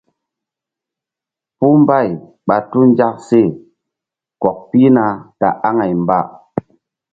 Puh mbay ɓa tu nzak she kɔk pihna ta aŋay mba.